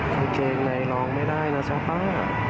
กางเกงในลองไม่ได้นะจ๊ะป้า